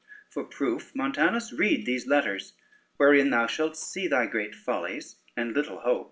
For proof, Montanus, read these letters, wherein thou shalt see thy great follies and little hope."